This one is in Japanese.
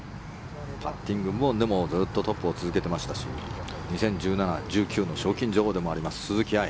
パッティングもずっとトップを続けてましたし２０１７年、１９年の賞金女王でもあります鈴木愛。